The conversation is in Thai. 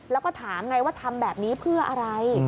แล้วก็ถามไงว่าทำแบบนี้เพื่ออะไร